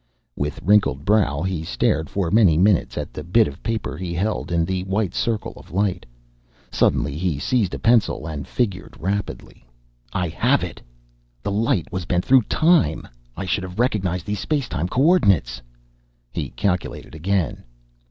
With wrinkled brow, he stared for many minutes at the bit of paper he held in the white circle of light. Suddenly he seized a pencil and figured rapidly. "I have it! The light was bent through time! I should have recognized these space time coordinates." He calculated again.